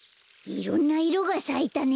いろんないろがさいたね。